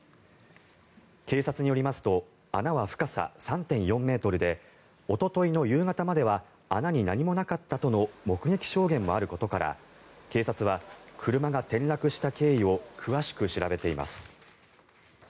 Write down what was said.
警察によりますと穴は深さ３．４ｍでおとといの夕方までは穴に何もなかったとの目撃証言もあることから警察は車が転落した経緯を詳しく調べています。